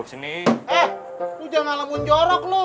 eh lu jangan malem muncorok lu